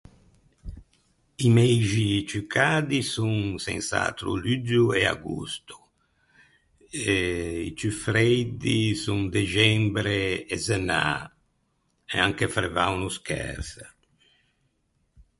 I meixi ciù cadi son sens’atro luggio e agosto, e i ciù freidi son dexembre e zenâ, e anche frevâ o no schersa.